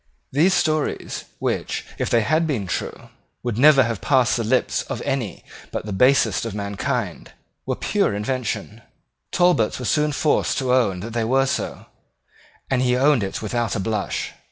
These stories, which, if they had been true, would never have passed the lips of any but the basest of mankind, were pure inventions. Talbot was soon forced to own that they were so; and he owned it without a blush.